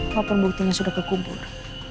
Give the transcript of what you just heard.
walaupun buktinya sudah kekubur